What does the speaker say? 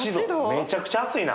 めちゃくちゃ暑いな。